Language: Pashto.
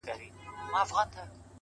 پورته کښته سم په زور و زېر باڼه’